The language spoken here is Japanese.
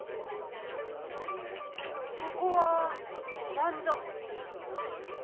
ここは避難所。